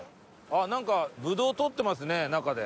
なんかブドウ採ってますね中で。